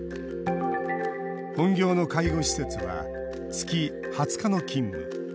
本業の介護施設は月２０日の勤務。